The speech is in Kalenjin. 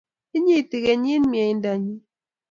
Inyiti kenyit mieindanyi